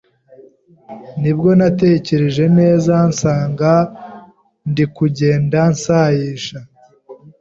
nibwo nateereje neza nsanga ndi kugenda nsayisha